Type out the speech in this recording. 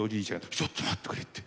ちょっと待ってくれって。